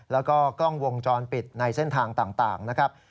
แล้วก็กล้องวงจรปิดในเส้นทางต่างนะครับ